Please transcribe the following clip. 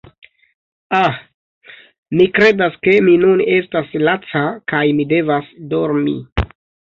Ah, mi kredas ke mi nun estas laca kaj mi devas dormi